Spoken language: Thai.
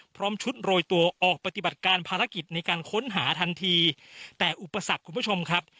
พร้อมชุดโรยตัวออกปฏิบัติการภารกิจในการค้นหาทันทีแต่อุปสรรคคุณผู้ชมครับ